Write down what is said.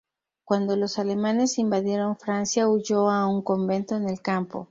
Cuándo los alemanes invadieron Francia huyó a un convento en el campo.